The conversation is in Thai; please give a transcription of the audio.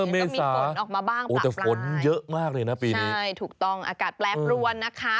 เมษาโอ้แต่ฝนเยอะมากเลยนะปีนี้ใช่ถูกต้องอากาศแปลบรวนนะคะ